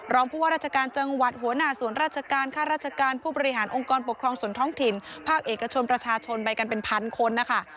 ผู้ว่าราชการจังหวัดหัวหน้าส่วนราชการค่าราชการผู้บริหารองค์กรปกครองส่วนท้องถิ่นภาคเอกชนประชาชนไปกันเป็นพันคนนะคะ